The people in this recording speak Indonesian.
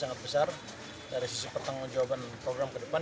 sangat besar dari sisi pertanggung jawaban program ke depan